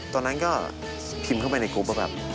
ตอนนั้นก็พิมพ์เข้าไปในกรุ๊ปว่าแบบ